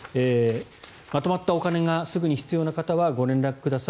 まとまったお金がすぐに必要な方はご連絡ください